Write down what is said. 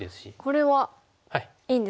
これはいいんですかこれも。